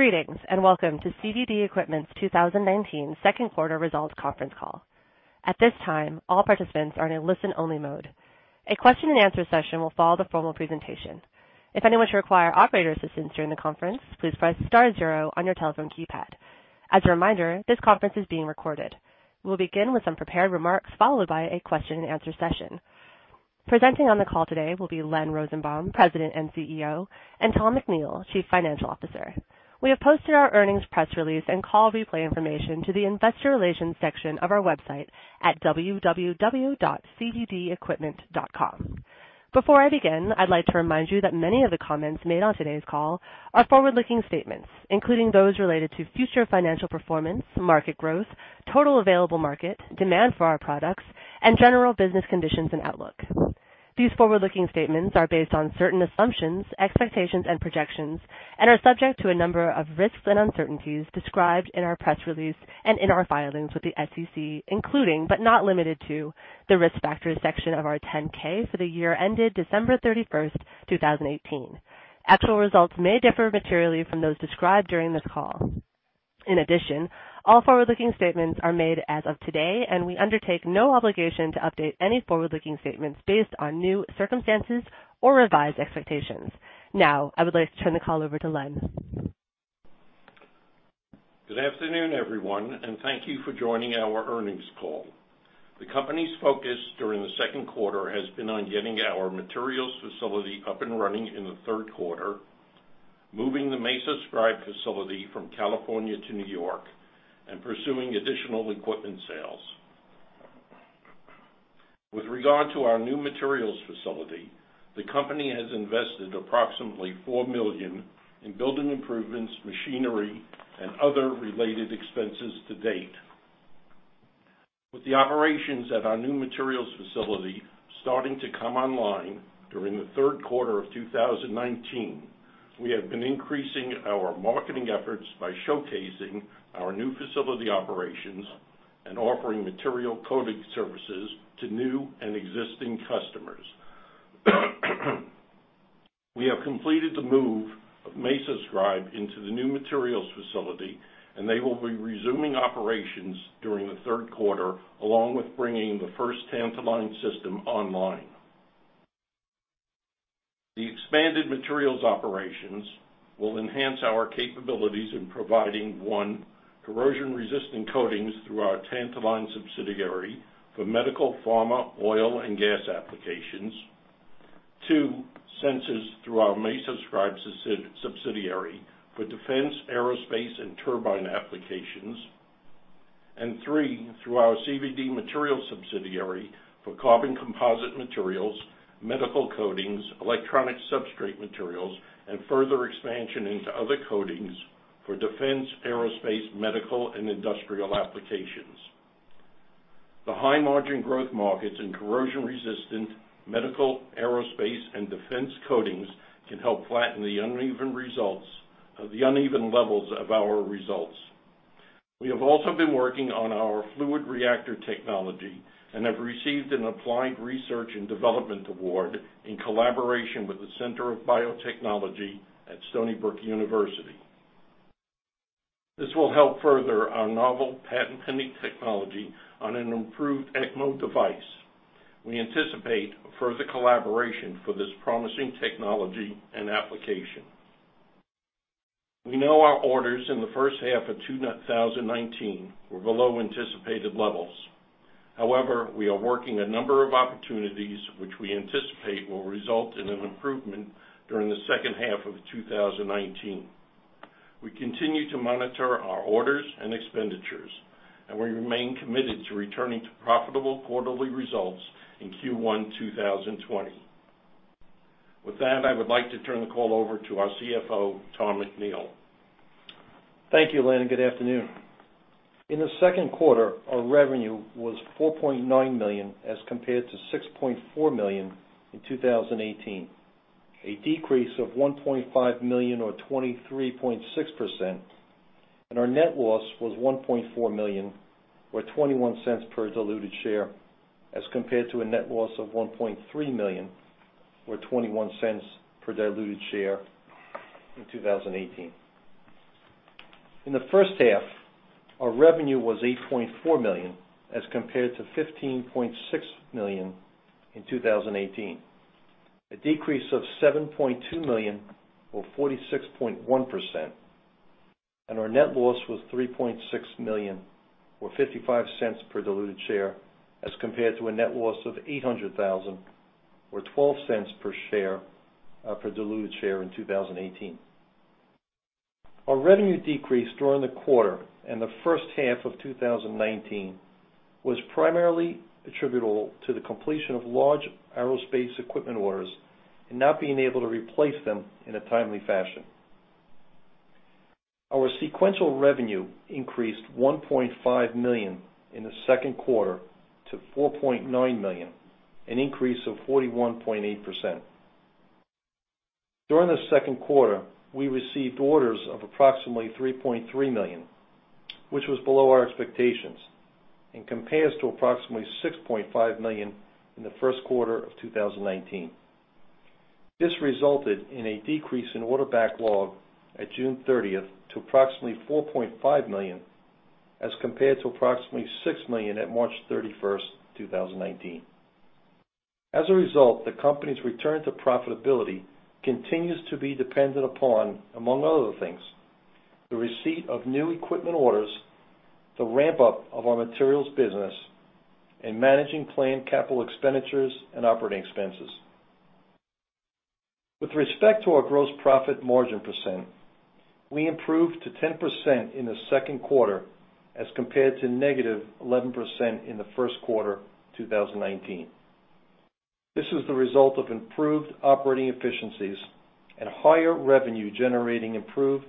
Greetings, welcome to CVD Equipment's 2019 second quarter results conference call. At this time, all participants are in a listen-only mode. A question and answer session will follow the formal presentation. If anyone should require operator assistance during the conference, please press star zero on your telephone keypad. As a reminder, this conference is being recorded. We'll begin with some prepared remarks, followed by a question and answer session. Presenting on the call today will be Leonard Rosenbaum, President and CEO, and Thomas McNeill, Chief Financial Officer. We have posted our earnings press release and call replay information to the investor relations section of our website at www.cvdequipment.com. Before I begin, I'd like to remind you that many of the comments made on today's call are forward-looking statements, including those related to future financial performance, market growth, total available market, demand for our products, and general business conditions and outlook. These forward-looking statements are based on certain assumptions, expectations, and projections, and are subject to a number of risks and uncertainties described in our press release and in our filings with the SEC, including but not limited to, the Risk Factors section of our 10-K for the year ended December 31st, 2018. Actual results may differ materially from those described during this call. In addition, all forward-looking statements are made as of today, and we undertake no obligation to update any forward-looking statements based on new circumstances or revised expectations. Now, I would like to turn the call over to Len. Good afternoon, everyone, and thank you for joining our earnings call. The company's focus during the second quarter has been on getting our materials facility up and running in the third quarter, moving the MesoScribe facility from California to New York, and pursuing additional equipment sales. With regard to our new materials facility, the company has invested approximately $4 million in building improvements, machinery, and other related expenses to date. With the operations at our new materials facility starting to come online during the third quarter of 2019, we have been increasing our marketing efforts by showcasing our new facility operations and offering material coating services to new and existing customers. We have completed the move of MesoScribe into the new materials facility, and they will be resuming operations during the third quarter, along with bringing the first tantalum system online. The expanded materials operations will enhance our capabilities in providing, one corrosion-resistant coatings through our tantalum subsidiary for medical, pharma, oil, and gas applications. Two, sensors through our MesoScribe subsidiary for defense, aerospace, and turbine applications. Three, through our CVD Materials subsidiary for carbon-carbon composite materials, medical coatings, electronic substrate materials, and further expansion into other coatings for defense, aerospace, medical, and industrial applications. The high-margin growth markets in corrosion-resistant medical, aerospace, and defense coatings can help flatten the uneven levels of our results. We have also been working on our fluidized bed reactor technology and have received an applied research and development award in collaboration with the Center for Biotechnology at Stony Brook University. This will help further our novel patent-pending technology on an improved ECMO device. We anticipate further collaboration for this promising technology and application. We know our orders in the first half of 2019 were below anticipated levels. We are working a number of opportunities which we anticipate will result in an improvement during the second half of 2019. We continue to monitor our orders and expenditures. We remain committed to returning to profitable quarterly results in Q1 2020. With that, I would like to turn the call over to our CFO, Tom McNeill. Thank you, Len. Good afternoon. In the second quarter, our revenue was $4.9 million as compared to $6.4 million in 2018, a decrease of $1.5 million or 23.6%. Our net loss was $1.4 million or $0.21 per diluted share as compared to a net loss of $1.3 million or $0.21 per diluted share in 2018. In the first half, our revenue was $8.4 million as compared to $15.6 million in 2018, a decrease of $7.2 million or 46.1%. Our net loss was $3.6 million or $0.55 per diluted share as compared to a net loss of $800,000 or $0.12 per diluted share in 2018. Our revenue decrease during the quarter and the first half of 2019 was primarily attributable to the completion of large aerospace equipment orders and not being able to replace them in a timely fashion. Our sequential revenue increased $1.5 million in the second quarter to $4.9 million, an increase of 41.8%. During the second quarter, we received orders of approximately $3.3 million, which was below our expectations and compares to approximately $6.5 million in the first quarter of 2019. This resulted in a decrease in order backlog at June 30th to approximately $4.5 million, as compared to approximately $6 million at March 31st, 2019. As a result, the company's return to profitability continues to be dependent upon, among other things, the receipt of new equipment orders, the ramp-up of our materials business, and managing planned capital expenditures and operating expenses. With respect to our gross profit margin percent, we improved to 10% in the second quarter as compared to negative 11% in the first quarter 2019. This is the result of improved operating efficiencies and higher revenue generating improved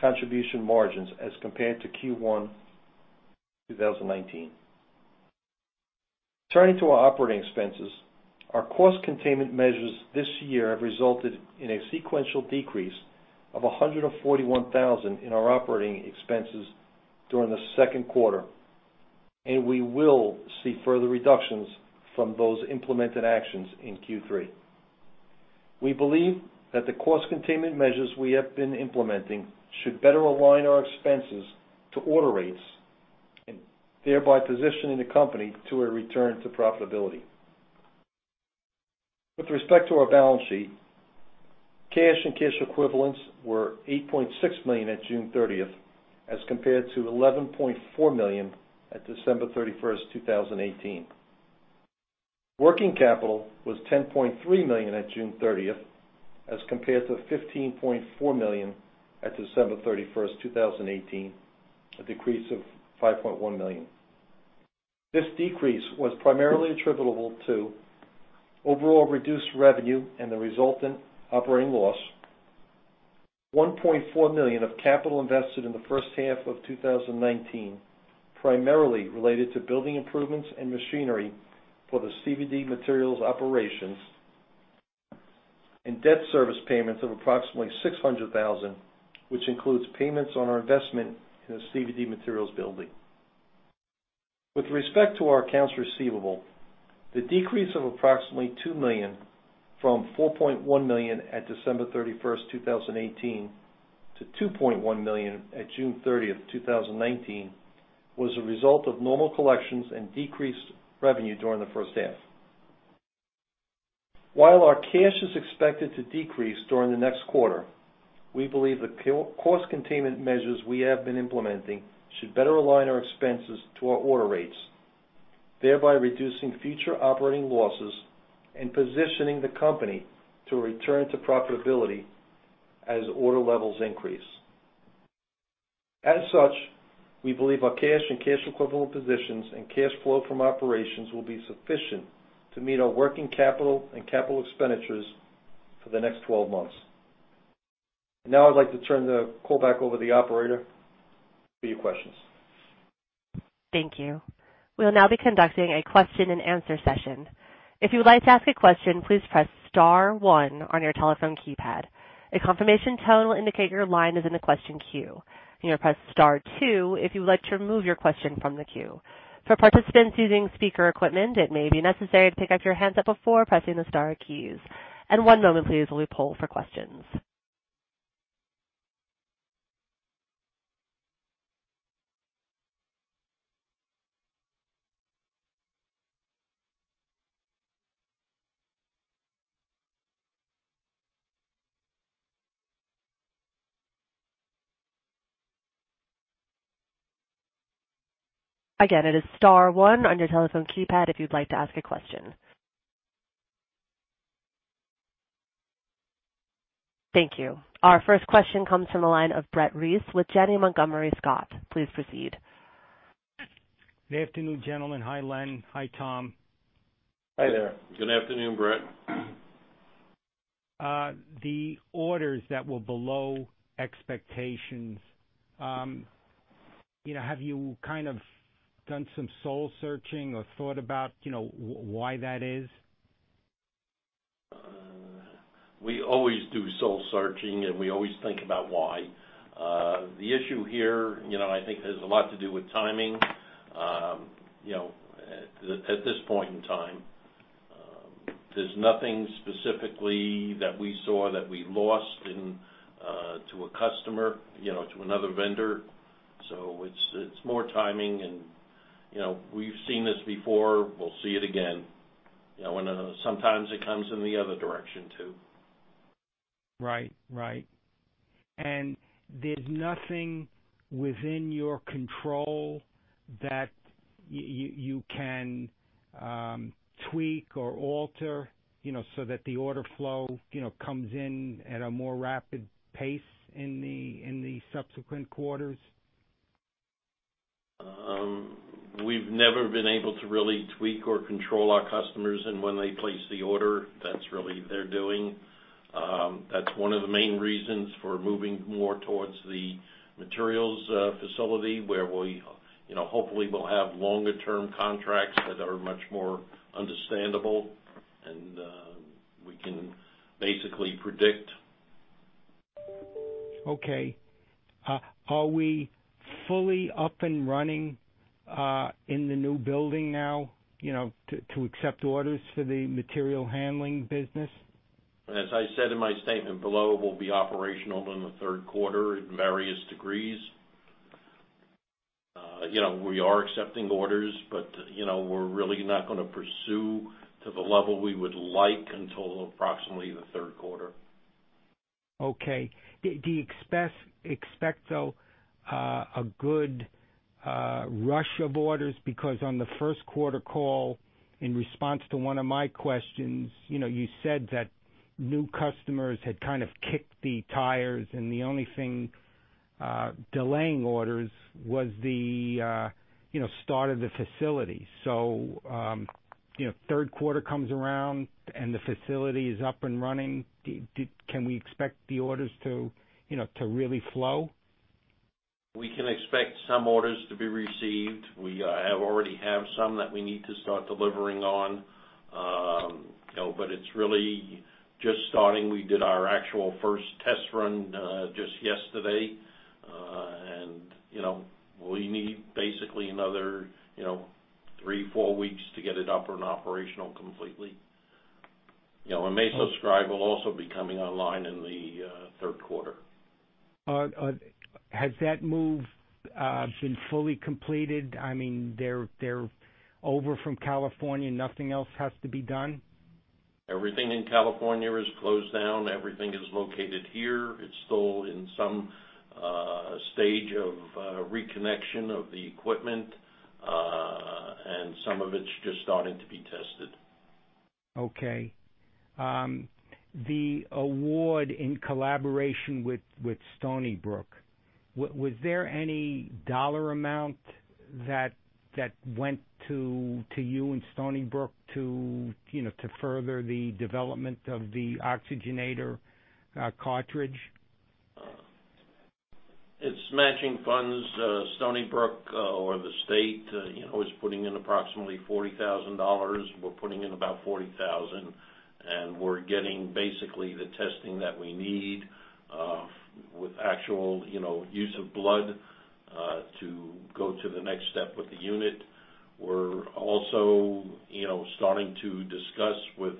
contribution margins as compared to Q1 2019. Turning to our operating expenses, our cost containment measures this year have resulted in a sequential decrease of $141,000 in our operating expenses during the second quarter, and we will see further reductions from those implemented actions in Q3. We believe that the cost containment measures we have been implementing should better align our expenses to order rates, and thereby positioning the company to a return to profitability. With respect to our balance sheet, cash and cash equivalents were $8.6 million at June 30, as compared to $11.4 million at December 31, 2018. Working capital was $10.3 million at June 30, as compared to $15.4 million at December 31, 2018, a decrease of $5.1 million. This decrease was primarily attributable to overall reduced revenue and the resultant operating loss, $1.4 million of capital invested in the first half of 2019, primarily related to building improvements in machinery for the CVD Materials operations, and debt service payments of approximately $600,000, which includes payments on our investment in the CVD Materials building. With respect to our accounts receivable, the decrease of approximately $2 million from $4.1 million at December 31st, 2018 to $2.1 million at June 30th, 2019 was a result of normal collections and decreased revenue during the first half. While our cash is expected to decrease during the next quarter, we believe the cost containment measures we have been implementing should better align our expenses to our order rates, thereby reducing future operating losses and positioning the company to return to profitability as order levels increase. As such, we believe our cash and cash equivalent positions and cash flow from operations will be sufficient to meet our working capital and capital expenditures for the next 12 months. Now I'd like to turn the call back over to the operator for your questions. Thank you. We'll now be conducting a question and answer session. If you would like to ask a question, please press star one on your telephone keypad. A confirmation tone will indicate your line is in the question queue. You may press star two if you would like to remove your question from the queue. For participants using speaker equipment, it may be necessary to pick up your handset before pressing the star keys. One moment please while we poll for questions. Again, it is star one on your telephone keypad if you'd like to ask a question. Thank you. Our first question comes from the line of Brett Reiss with Janney Montgomery Scott. Please proceed. Good afternoon, gentlemen. Hi, Len. Hi, Tom. Hi there. Good afternoon, Brett. The orders that were below expectations, have you kind of done some soul searching or thought about why that is? We always do soul searching, and we always think about why. The issue here, I think, has a lot to do with timing. At this point in time, there's nothing specifically that we saw that we lost to a customer, to another vendor. So it's more timing and we've seen this before. We'll see it again. Sometimes it comes in the other direction too. Right. There's nothing within your control that you can tweak or alter so that the order flow comes in at a more rapid pace in the subsequent quarters? We've never been able to really tweak or control our customers and when they place the order. That's really their doing. That's one of the main reasons for moving more towards the materials facility where Hopefully we'll have longer term contracts that are much more understandable and we can basically predict. Okay. Are we fully up and running in the new building now to accept orders for the material handling business? As I said in my statement below, we'll be operational in the third quarter in various degrees. We are accepting orders, but we're really not going to pursue to the level we would like until approximately the third quarter. Okay. Do you expect, though, a good rush of orders? On the first quarter call, in response to one of my questions, you said that new customers had kind of kicked the tires and the only thing delaying orders was the start of the facility. Third quarter comes around and the facility is up and running. Can we expect the orders to really flow? We can expect some orders to be received. We already have some that we need to start delivering on. It's really just starting. We did our actual first test run just yesterday. We need basically another three, four weeks to get it up and operational completely. MesoScribe will also be coming online in the third quarter. Has that move been fully completed? They're over from California, nothing else has to be done? Everything in California is closed down. Everything is located here. It's still in some stage of reconnection of the equipment, and some of it's just starting to be tested. Okay. The award in collaboration with Stony Brook, was there any dollar amount that went to you and Stony Brook to further the development of the oxygenator cartridge? It's matching funds. Stony Brook or the state is putting in approximately $40,000. We're putting in about $40,000, and we're getting basically the testing that we need with actual use of blood to go to the next step with the unit. We're also starting to discuss with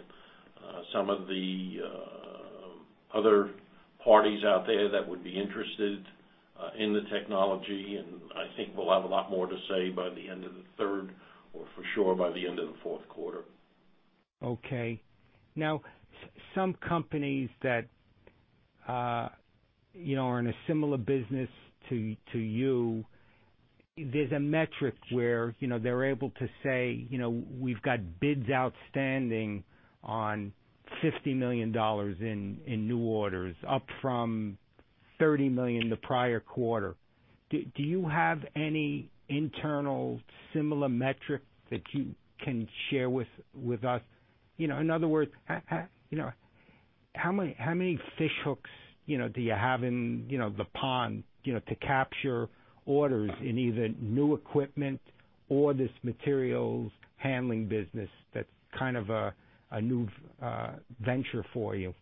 some of the other parties out there that would be interested in the technology, and I think we'll have a lot more to say by the end of the third or for sure by the end of the fourth quarter. Okay. Now, some companies that are in a similar business to you, there's a metric where they're able to say, "We've got bids outstanding on $50 million in new orders, up from $30 million the prior quarter." Do you have any internal similar metric that you can share with us? In other words, how many fish hooks do you have in the pond to capture orders in either new equipment or this materials handling business that's kind of a new venture for you?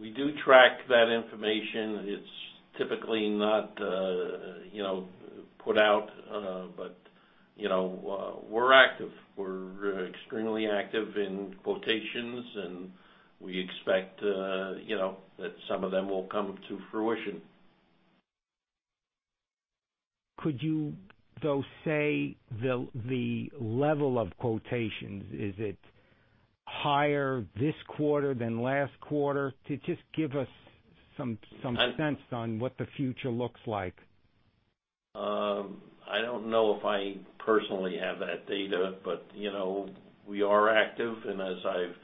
We do track that information. It's typically not put out. We're active. We're extremely active in quotations, and we expect that some of them will come to fruition. Could you, though, say the level of quotations? Is it higher this quarter than last quarter? To just give us some sense on what the future looks like. I don't know if I personally have that data, but we are active, and as I've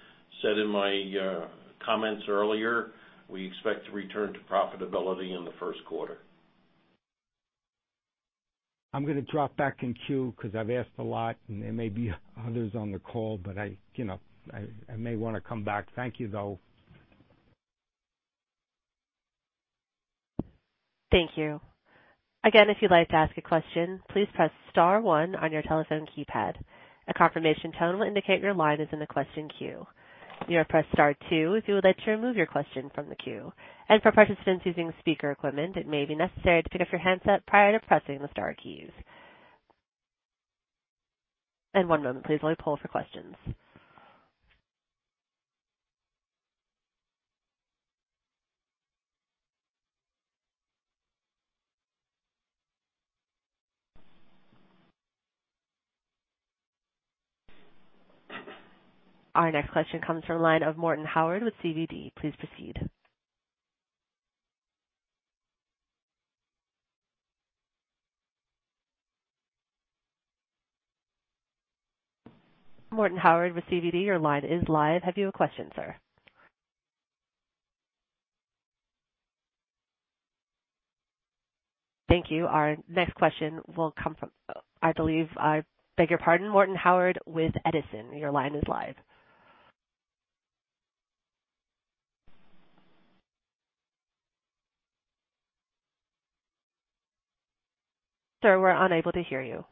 said in my comments earlier, we expect to return to profitability in the first quarter. I'm going to drop back in queue because I've asked a lot, and there may be others on the call, but I may want to come back. Thank you, though. Thank you. Again, if you'd like to ask a question, please press star one on your telephone keypad. A confirmation tone will indicate your line is in the question queue. You are pressed star two if you would like to remove your question from the queue. For participants using speaker equipment, it may be necessary to pick up your handset prior to pressing the star keys. One moment please, while we pull for questions. Our next question comes from line of Morton Howard with CVD. Please proceed. Morton Howard with CVD, your line is live. Have you a question, sir? Thank you. Our next question will come from Morton Howard with Edison. Your line is live. Sir, we're unable to hear you.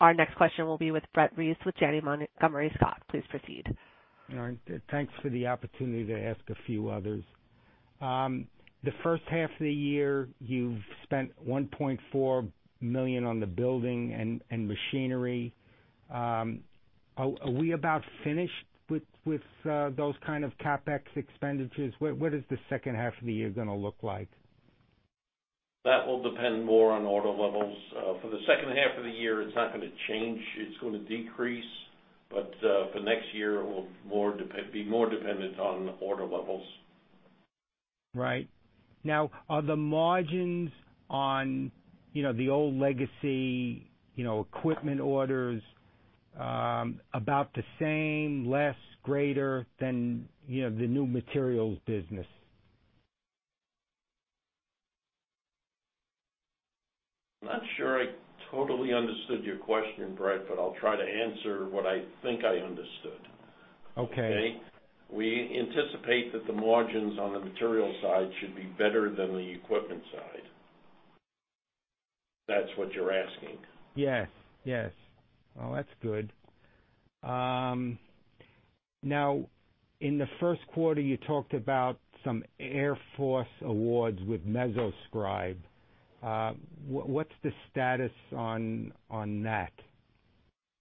Our next question will be with Brett Reiss with Janney Montgomery Scott. Please proceed. All right. Thanks for the opportunity to ask a few others. The first half of the year, you've spent $1.4 million on the building and machinery. Are we about finished with those kind of CapEx expenditures? What is the second half of the year going to look like? That will depend more on order levels. For the second half of the year, it's not going to change. It's going to decrease. For next year, it will be more dependent on order levels. Right. Now, are the margins on the old legacy equipment orders about the same, less, greater than the new materials business? I'm not sure I totally understood your question, Brett, but I'll try to answer what I think I understood. Okay. We anticipate that the margins on the material side should be better than the equipment side. If that's what you're asking. Yes. Well, that's good. Now, in the first quarter, you talked about some Air Force awards with MesoScribe. What's the status on that?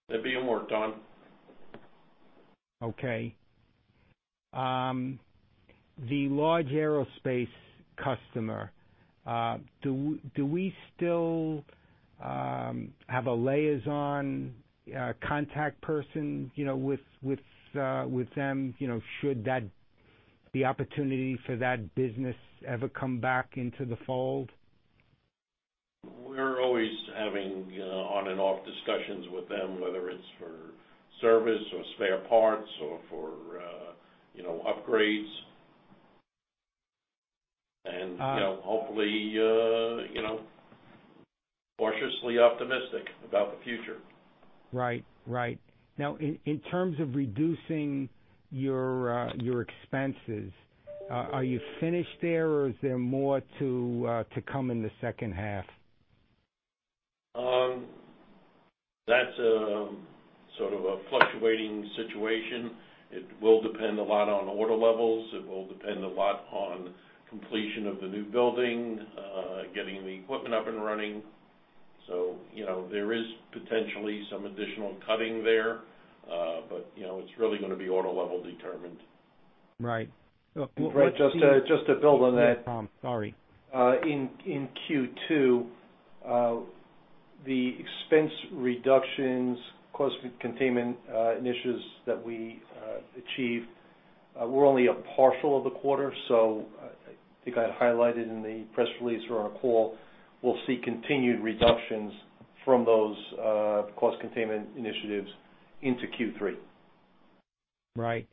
They're being worked on. Okay. The large aerospace customer, do we still have a liaison, a contact person with them should the opportunity for that business ever come back into the fold? We're always having on-and-off discussions with them, whether it's for service or spare parts or for upgrades. Hopefully, cautiously optimistic about the future. Right. In terms of reducing your expenses, are you finished there, or is there more to come in the second half? That's sort of a fluctuating situation. It will depend a lot on order levels. It will depend a lot on completion of the new building, getting the equipment up and running. There is potentially some additional cutting there. It's really going to be order level determined. Right. Brett, just to build on that. Yeah, Tom. Sorry. In Q2, the expense reductions, cost containment initiatives that we achieved were only a partial of the quarter. I think I highlighted in the press release or our call, we'll see continued reductions from those cost containment initiatives into Q3. Right.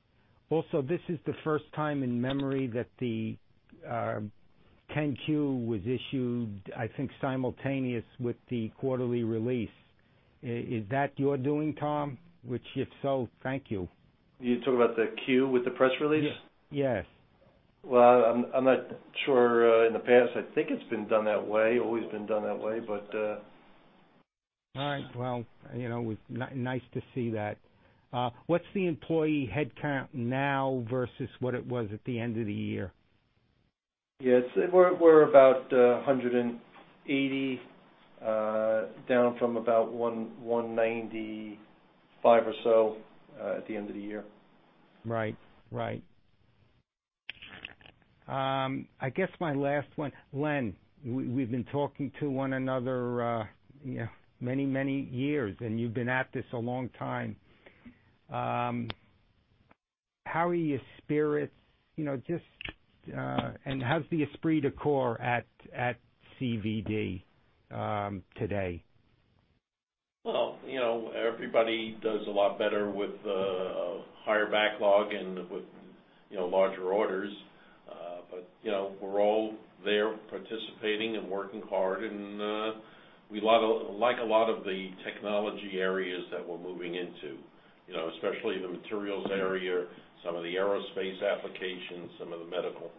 Also, this is the first time in memory that the 10-Q was issued, I think, simultaneous with the quarterly release. Is that your doing, Tom? Which, if so, thank you. You talking about the Q with the press release? Yes. Well, I'm not sure. In the past, I think it's been done that way, always been done that way. All right. Well, it was nice to see that. What's the employee headcount now versus what it was at the end of the year? Yes. We're about 180, down from about 195 or so at the end of the year. Right. I guess my last one. Len, we've been talking to one another many years, and you've been at this a long time. How are your spirits, and how's the esprit de corps at CVD today? Well, everybody does a lot better with higher backlog and with larger orders. We're all there participating and working hard, and we like a lot of the technology areas that we're moving into, especially the materials area, some of the aerospace applications, some of the medical.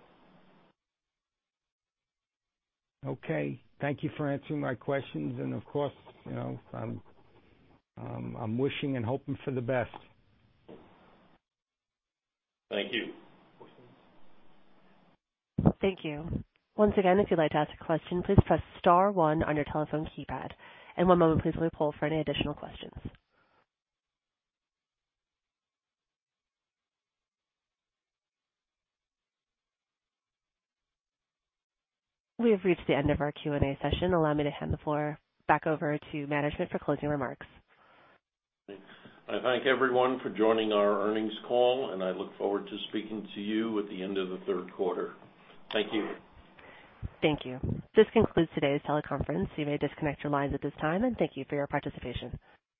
Okay. Thank you for answering my questions. Of course, I'm wishing and hoping for the best. Thank you. Thank you. Once again, if you'd like to ask a question, please press *1 on your telephone keypad. One moment, please, while we poll for any additional questions. We have reached the end of our Q&A session. Allow me to hand the floor back over to management for closing remarks. I thank everyone for joining our earnings call, and I look forward to speaking to you at the end of the third quarter. Thank you. Thank you. This concludes today's teleconference. You may disconnect your lines at this time, and thank you for your participation.